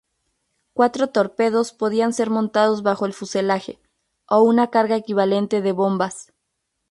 Cuatro torpedos podían ser montados bajo el fuselaje, o una carga equivalente de bombas.